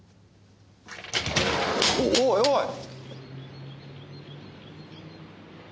おいおい！